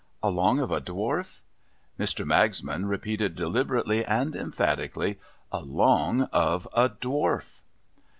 Along of a Dwarf? Mr, Magsman repeated, deliberately and emphatically, Along of a Dwarf.